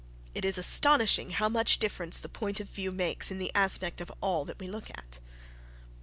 It is astonishing how much difference the point of view makes in the aspect of all that we look at!